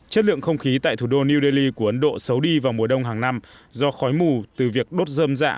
chất lượng không khí tại thủ đô new delhi của ấn độ xấu đi vào mùa đông hàng năm do khói mù từ việc đốt dơm dạ